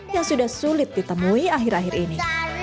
yang sudah sulit ditemui akhir akhir ini